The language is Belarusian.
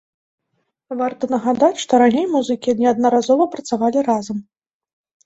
Варта нагадаць, што раней музыкі неаднаразова працавалі разам.